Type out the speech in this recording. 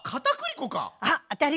あっ当たり！